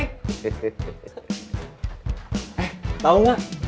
eh tau nggak